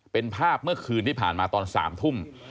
เป็นภาพเมื่อคืนที่ผ่านมาตอน๓ทุ่ม